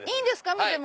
見ても。